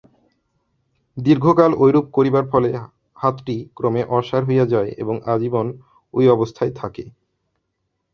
দীর্ঘকাল ঐরূপ করিবার ফলে হাতটি ক্রমে অসাড় হইয়া যায় এবং আজীবন ঐ অবস্থায় থাকে।